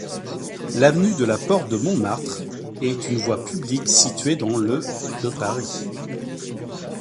L'avenue de la Porte-de-Montmartre est une voie publique située dans le de Paris.